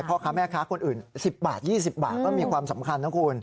พ่อค้าแม่ค้าคนอื่น๑๐บาท๒๐บาทก็มีความสำคัญนะคุณ